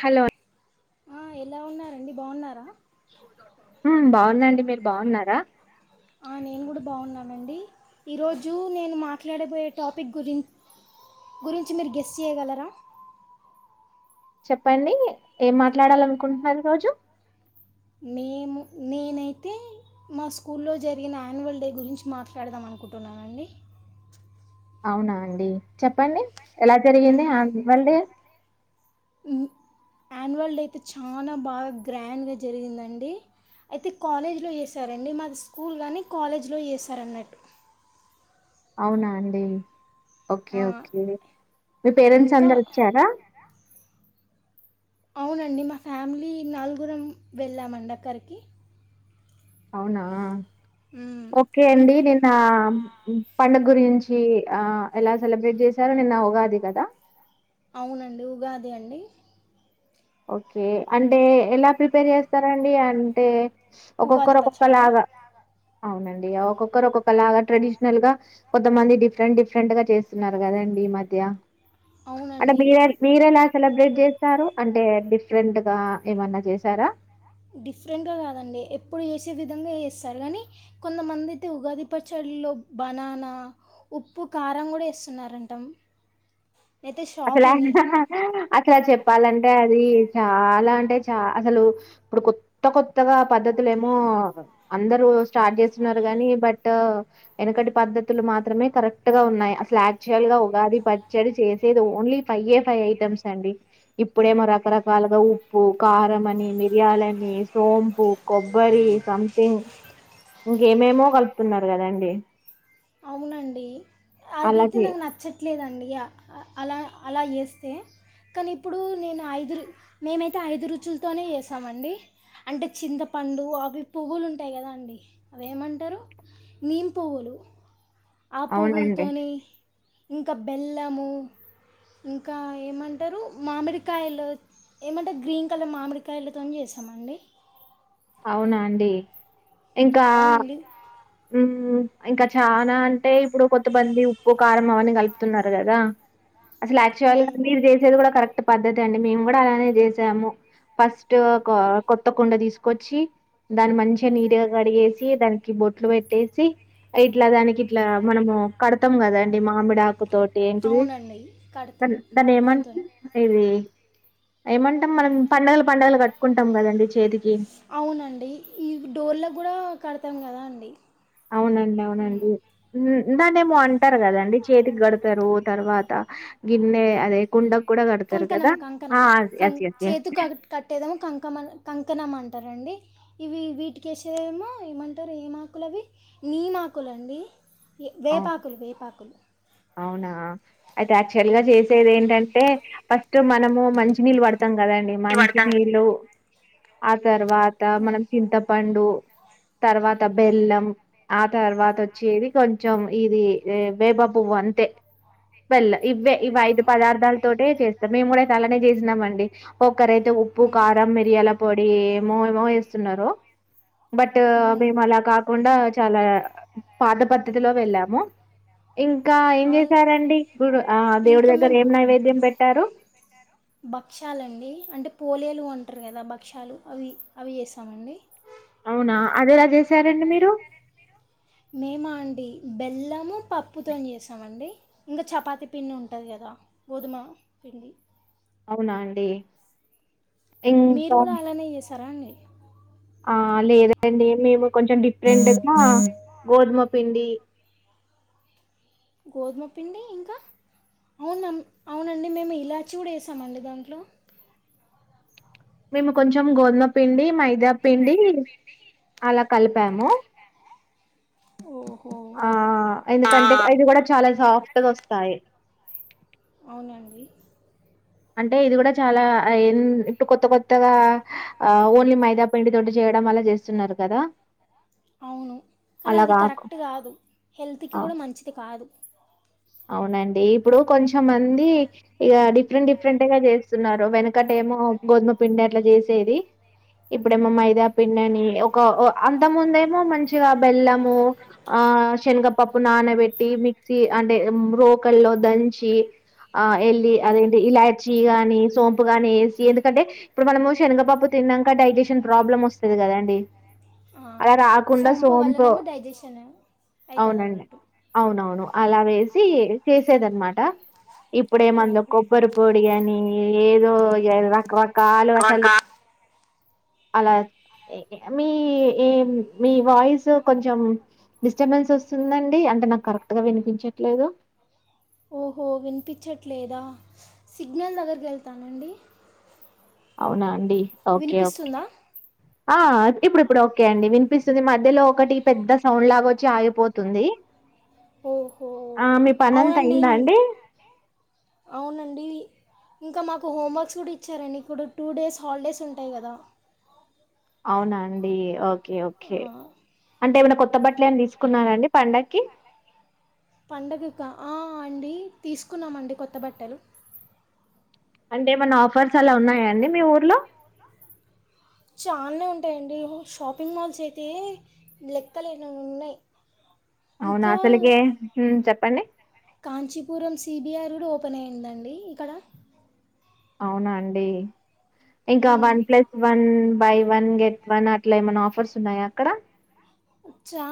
హలోను ఆ ఎలా ఉన్నారండి బాగున్నారా హుమ్ బాగున్న అండి మీరు బాగున్నారా ఆ నేను కూడా బాగున్నానండి ఈరోజు నేను మాట్లాడబోయే టాపిక్ గురి గురించి మీరు గెస్ చేయగలరా చెప్పండి ఏం మాట్లాడాలనుకుంటున్నారు ఈ రోజు మేము నేనైతే మా స్కూల్లో జరిగిన యాన్యువల్ డే గురించి మాట్లాడదాం అనుకుంటున్నానండి. అవునా అండి చెప్పండి. ఎలా జరిగింది అన్ వాల్ డే ఉ యాన్యువల్ డే అయితే చానా బాగా గ్రాండ్ గా జరిగిందండి అయితే కాలేజ్లో చేసారండి మాది స్కూల్ కానీ కాలేజ్లో చేసారు అన్నట్టు అవునా అండి. ఓకే ఆ, ఓకే మీ పేరెంట్స్ ఇంకా అందరు వచ్చారా అవునండి మా ఫ్యామిలీ నలుగురం వెళ్ళామండి అక్కరికి అవునా హ్మ్ ఓకే హ్మ్ అండి నిన్న ఉ పండగ గురించి ఆ ఎలా సెలబ్రేట్ చేశారో నిన్న ఉగాది గదా అవునండి ఉగాది అండి. ఓకే అంటే ఎలా ప్రిపేర్ చేస్తారండి అంటే ఉగాది ఒక్కొక్కరు పచ్చడేనా ఒక్కొక్కలాగా అవునండి ఒక్కొక్కరు ఒక్కొక్క లాగా ట్రెడిషనల్ గా కొంతమంది డిఫరెంట్ డిఫరెంట్ గా చేస్తున్నారు కదా అండి ఈ మధ్య అంటే అవునండి మీర మీరు ఎలా సెలబ్రేట్ చేస్తారు అంటే డిఫరెంట్ గా ఏమన్నా చేసారా డిఫరెంట్గా కాదండి ఎప్పుడు చేసే విధంగా చేస్తారు కానీ కొంతమంది అయితే ఉగాది పచ్చడిల్లో బనానా ఉప్పు కారం గూడా ఏస్తున్నారంటాం. అసలు ఆయన అట్లా చెప్పాలన్ అంటే అది చాలా అంటే చ అసలు ఇప్పుడు కొత్త కొత్తగా పద్ధతులు ఏమో అందరూ స్టార్ట్ చేస్తున్నారు గాని బట్ వెనకటి పద్ధతులు మాత్రమే కరెక్ట్ గా ఉన్నాయి అసలు యాక్చువల్ గా ఉగాది పచ్చడి చేస్ లేదు ఓన్లీ ఫై ఏ ఫై ఐటమ్స్ అండి ఇప్పుడేమో రకరకాలగా ఉప్పు కారం అని మిరియాలని సోంపు కొబ్బరి సంథింగ్ ఇంకేం ఏమో గలుపుతున్నారు గదండి అవునండి అది అయితే చేయ నాకు నచ్చట్లేదండి అలా అలా ఏస్తే కానీ ఇప్పుడు నేను ఐదు మేమైతే ఐదు రుచులతోనే ఏసామండి అంటే చింతపండు అవి పువ్వులు ఉంటాయి కదా అండి అవి ఏమంటారు నీమ్ పువ్వులు ఆ అవునండి. పువ్వులుతోని ఇం ఇంక బెల్లము ఇంకా ఏమంటారు మామిడికాయలు ఏమంటారు గ్రీన్ కలర్ మామిడికాయలతో జేస్తామండి అవునా అండి ఇంకా అవునండి ఉ ఇంకా చానా అంటే ఇప్పుడు కొత్తమంది ఉప్పు కారం అవన్నీ గలుపుతున్నారు గదా అసలు యాక్చువల్ గా ఉమ్, మీరు జేసేది గూడా కరెక్ట్ పద్దతి అండి మేము గూడా అలానే జేసాము ఫస్ట్ ఫస్టు ఒక కొత్త కుండ దీసుకొచ్చి దాన్ని మంచిగా నీటిగా కడిగేసి దానికి బొట్ ట్లు బెట్టేసి ఇట్లా దానికి ఇట్లా మనము కడతాం గదా అండి మామిడి ఆకు తోటి ఏంటిది అవునండి ద కడతాం దాని ఏమం దాంతోనే ఇది ఏమంటాం మనం పండగల్ అవునండి ఈ డోర్ల గూడా కడతాం గదా అం డి అవునండి అవునండి దాన్నేమో అంటారు గదా అండి చేతికి గడతారు తర్వాత గిన్నె అదే కుండకు కూడా గడతారు కదా! కంకణం ఆ! కంకణం కం యెస్. యెస్. యెస్. చేతు అదీ కట్టేదాము కంకమ కంకణం అంటారండి ఇవి వీటికి ఏసేదేమొ ఏమంటారు ఏమాకులు అవి నీమ్ ఆకులు అండి ఎ అవును. వేపాకులు వేపాకులు అవునా! అయితే యాక్చుల్ గా జేస్ సెది ఏంటంటే ఫస్ట్ మనము మంచినీళ్ళు బడతాం కదండి మంచినీళ్ళు ఆ తర్వాత ఉమ్. మనం చింతపండు తర్వాత బెల్లం ఆ తర్వాత వచ్చేది కొం కొంచం ఇది వేప పువ్వు అంతే బెల్ల ఇవ్వే ఇవి ఆ. ఐదు పదార్థాల తోటి చేస్తాం మేము గూడా అలానే చేసినాం అండి ఒక్కరైతే ఉప్పు ఉమ్. కారం మిరియాల పొడి ఏమో మో ఏస్తున్నారు బట్ ఉమ్. మేము అలా కాకుండా చాలా పాత పద్ తిథిలో వెళ్ళాము ఇంకా ఏం ఆ, జేసారండి గుర్ ఇంకా మేమ్ భక్షాలండి అంటే పోలేల్ లు అంటారు గదా భక్షాలు అవి అవి చేసాము అండి అవునా అది ఎలా జేశారండి మీరు మేమా అండి బెల్లము పప్పుతోని చేస్తామండి ఇంకా చపాతి పిండి ఉంటది గదా గోధుమ పిండి అవునా అండి మీరు ఇంకా కూడా అలానే చేసారా అండి ఆ లేదండి మేము కొంచెం డిఫరెంట్ గా గోధుమ పి పిండి గోధుమ పిండి ఇంకా అవున అవునండి మేము ఇలాచి కూడా వేసామండి దాంట్లో మేము కొంచెం గోధుమ పిండి మైదా పిండి అలా కలిపాము ఓహో ఆ ఎందుకంటే ఇది కూడా చాలా సాఫ్ట్ ఎట్ట దొస్తాయ అవునండి అంటే ఇది కూడా చాలా ఇప్పుడు కొత్త కొత్తగా ఆ ఓన్లీ మైదాబ్ పిండి తోటి చేయడం వల్ల చేస్తున్నారు కదా అవును కానీ అది అలాగాక్ కరెక్ట్ కాదు హెల్త్కి ఆ కూడా మంచిది కాదు అవునండి ఇప్పుడు కొంచంమంది ఇక డిఫరెంట్ డిఫరెంట్గా చేస్తున్నారు వెనకట ఏమో గోధుమ పిండి అట్లా చేసేది ఇప్పుడేమో మైదా పండిని ఒక అంత ముందేమో మంచిగా బెల్లము ఆ శనగపప్పు నానబెట్టి మిక్సీ అంటే లోకల్ లో దంచి ఆ వెళ్లి ఆ అదేంటది ఇలాచి జి గాని సోంపు కానీ ఏసీ ఎందుకంటే ఇప్పుడు మనం శనగపప్పు తిన్నాక డైజేషన్ ప్రాబ్లం వస్తది కదండీ ఆ, అలా రాకుండా సోంపు వల్లనేమో డైజెషన్ అవుతుంది అవునండి అన్నట్టు అవునవును అలా వేసి చేసేదనమాట ఇప్పుడేమందులో ఓహో కొబ్బరి పొడి కాని ఏదో రకరకాలు అసలు అలా మీ ఏ మీ వాయిస్ కొంచెం డిస్టర్బెన్స్ వస్తుందండి అంటే నాకు కరెక్ట్ గా వినిపించ లేదు ఓహో వినిపించట్లేదా సిగ్నల్ దగ్గరికి వెళ్తానండి అవునా అండి ఓకే ఓకే వినిపిస్తుందా ఆ ఇప్పుడు ఇప్పుడు ఓకే అండి వినిపిస్తుంది మధ్యలో ఒకటి పెద్ద సౌండ్ లాగ వచ్చి ఆగిపోతుంది ఓహో ఆ మీ పనంత అవునండి అయిందా అండి అవునండి ఇంకా మాకు హోమ్వర్క్స్ కూడా ఇచ్చారండి ఇప్పుడు టూ డేస్ హాలిడేస్ ఉంటాయి కదా అవునాండి ఓకే ఓకే అంటే ఏమైనా కొ కొత్త బట్లన్ తీసుకున్నారండి పండగ్కి పండగకా ఆ అండి తీసుకున్నామండి కొత్త బట్టలు అంటే ఏమన్నా ఆఫర్స్ అలా ఉన్నాయా అండి మీ ఊర్లో ఆన్నే ఉంటాయండి షాపింగ్ మాల్స్ అయితే లెక్కలు లేనన్ని ఉన్నాయి అవునా ఇంకా అసలుకే హ్మ్. చెప్పండి కాంచీపురం సిబిఆర్ ఎప్పుడు ఓపెన్ అయిందండి ఇక్కడ అవునా అండి ఇంకా um, one plus one buy one get one అట్లా ఏమన్నా ఆఫర్స్ ఉన్నాయా అక్కడ చా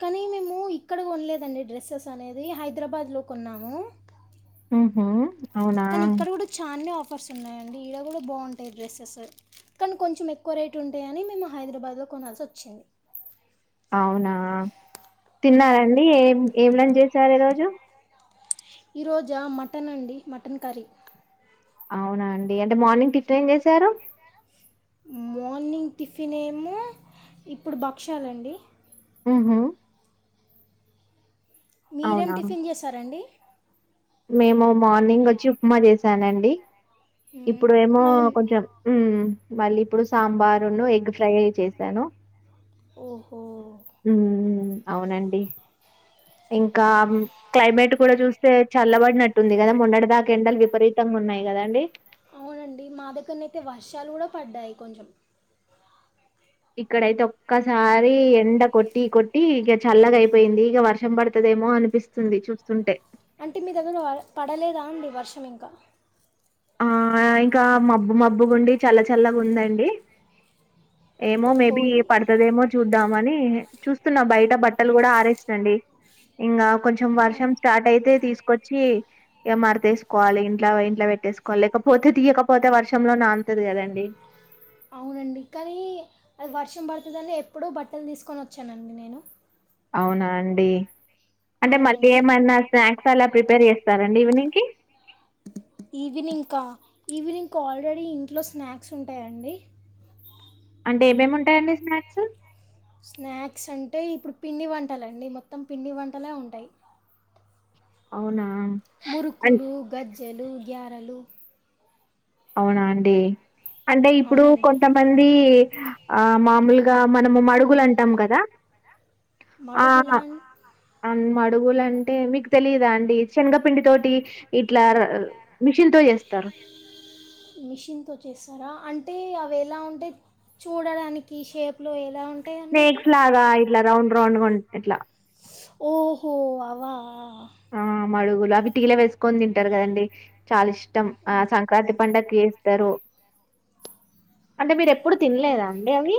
కానీ మేము ఇక్కడ కొనలేదండి డ్రెస్సెస్ అనేది హైదరాబాద్లో కొన్నాము హామ్ హా కానీ ఇక్కడ కూడా చానే ఆఫర్స్ ఉన్నాయండి ఇడ కూడా బాగుంటాయి డ్రెస్సెస్ కానీ కొంచెం ఎక్కువ రేట్ ఉంటాయని మేము హైదరాబాద్లో కొనాల్సి వచ్చింది అవునా మ్మ్. తిన్నారండి ఏ ఏం లంచ్ చేసారు ఈ రోజు ఈరోజా మటన్ అండి మటన్ కర్రీ అవునా అండి అంటే మార్నింగ్ టిఫెన్ ఏం జేశారు మార్నింగ్ టిఫిన్ ఏమో ఇప్పుడు భక్షాలండి హమ్ హమ్ మీరేం అవునా టిఫిన్ జేసారండి మేము మార్నింగ్ వచ్చి ఉప్మా చేసానండి మ్మ్. ఇప్పుడు ఏమో మళ్ళీ కొంచెం మళ్ళీ ఇప్పుడు సాంబార్ను ఎగ్ ఫ్రై చేసాను ఓహో అవునండి ఇంకా క్లైమేట్ కూడా చూస్తే చల్లబడినట్టుంది కదా మొన్నటి దాకా ఎండలు విపరీతంగా ఉన్నాయి గదండి అవునండి మా దగ్గర్నయితే వర్షాలు కూడా పడ్డాయి కొంచెం ఇక్కడైతే ఒక్కసారి ఎండ కొట్టి కొట్టి ఇక చల్లగా అయిపోయింది ఇగ వర్షం బడతదేమో అనిపిస్తుంది చూస్తుంటే అంటే మీ దగ్గర పడలేదా అండి వర్షం ఇంకా ఆ ఇంకా మబ్బు మబ్బు గుండి చల్ల చల్లగా ఉందండి ఏమో ఓహో మేబీ పడతదేమో చూద్దామని చూస్తున్నా బయట బట్టలు కూడా ఆరేసినండి ఇంగా కొంచెం వర్షం ఆ. స్టార్ట్ అయితే తీసు కొచ్చి ఇగ మడతేసుకోవాలి ఇంట్ల ఇంట్ల పెట్టేసుకో వాలి లేకపోతే తీయకపోతే వర్షంలో నాన్‌తది కదండి అవునండి కానీ అది వర్షం పడుతందని ఎప్పుడో బట్టలు తీసుకొని వచ్చానండి నేను అవునా అండి అంటే మళ్ళీ అవునండి ఏమన్నా స్నాక్స్ అలా ప్రిపేర్ చేస్తారండి ఈవినింగ్కి ఈవినింగ్కు ఆల్రెడీ ఇంట్లో స్నాక్స్ ఉంటాయండి అంటే ఏమేమి ఉంటాయండి స్నాక్స్ స్నాక్స్ అంటే ఇప్పుడు పిండి వంటలండి మొత్తం పిండి వంటలే ఉంటాయి అవునా అన్ మురుకులు గద్ తెలు గారలు అవునా అండి అంటే ఇప్పుడు అవునండి కొంతమంది ఆ మామూలుగా మనము మడుగులు అంటాం కదా ఆ మడుగులా అన్మా మడుగులు అంటే మీకు తెలిదా అండి శనగపిండి తోటి ఇట్లా మిషిన్ తో చేస్తారు మిషిన్ తో చేస్తారా అంటే అవి ఎలా ఉంటయ్ చూడడానికి షేప్ లో స్నేక్స్ లాగా యిట్లా రౌండ్ రౌండ్ గా ఉం ఎట్లా ఓహో అవా ఆ మడుగులు అవి టీలే వేసుకని తింటారు కదండి చాలా ఇష్ టం సంక్రాంతి పండక్కి వేస్తారు అంటే మీరు ఎ ఎప్పుడు ఓ తినలేదా అండి అవి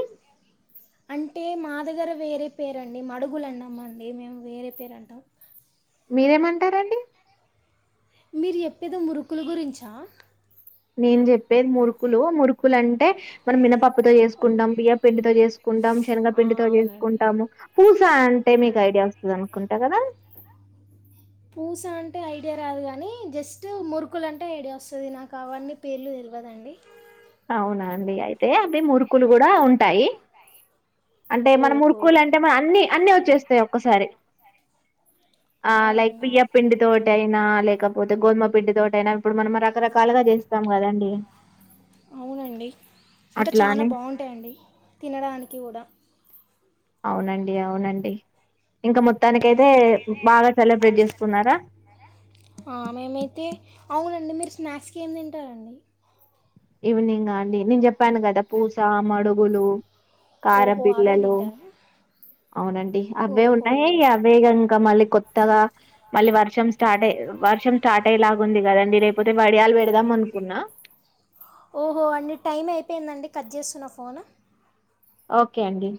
అంటే మా దగ్గర వేరే పేరండి మడుగులు అన్నామండి మేము వేరే పేరు అంటాం మీరేమంటారండి మీరు చెప్పేది మురుకుల గురించా నేను చెప్పేది మురుకులు మురుకులు అంటే మన మినపా ప్పుతో చేసుకుంటాం బియ్య పిండితో చేసుకుంటాం ఆ, శనగపిండితో అవునండి చేసుకుంటాము పూ సా అంటే మీకు ఐడియా వస్తుంది అనుకుంటా కదా పూస అంటే ఐడియా రాదు కానీ జస్ట్ మురుకులు అంటే ఐడియా వస్తది నాకు అవన్నీ పేర్లు తెల్వదండి అవునా అండి అయితే అవి మురుకులు కూడా ఉంటాయి అంటే మనం ఓహో మురుకులు అంటే మన అన్ని అన్ని వ చేస్తాయి ఒక్కసారి ఆ లైక్ అవునండి బియ్యపు పిండి తోటి అయిన నా లేకపోతే గోధమ పిండి తోటయినా ఇప్పుడు మనం రకరకాలుగా చేస్తాం కదండి అవునండి ఇంకా అట్లా చాలా అని బాగుంటాయండి తినడానికి కూడా అవునండి అవునండి ఇంకా మొత్తానికికైతే బాగా సెలబ్రేట్ చేసుకున్నారా ఆ మేమైతే అవునండి మీరు స్నాక్స్కి ఏం తింటారండి ఈవినింగ అండి నేను చెప్పాను కదా పూస మడుగులు కారపు ఓహో అవే బిల్లలు తింటారా అవునండి అవే ఉంటాయి ఓహో అవే కనుక మళ్ళీ కొత్ త్తగా మళ్ళీ వర్షం స్టార్ట్ వర్షం స్టార్ట్ అయలాగుంది కదండి లేకపోతే వడియాలు పెడదాం అనుకున్నా ఓహో అండి టైం అయిపోయిందండి కట్ చేస్తున్న ఫోన్ ఓకే అండి